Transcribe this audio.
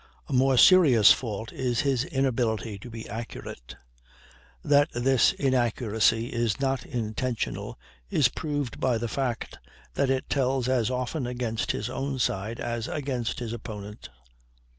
A more serious fault is his inability to be accurate. That this inaccuracy is not intentional is proved by the fact that it tells as often against his own side as against his opponents.